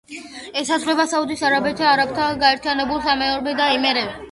ესაზღვრება: საუდის არაბეთი, არაბთა გაერთიანებული საამიროები და იემენი.